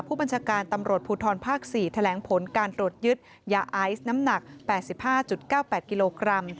ผู้บัญชาการตำรวจภูทรภาค๔แถลงผลการตรวจยึดยาไอซ์น้ำหนัก๘๕๙๘กิโลกรัม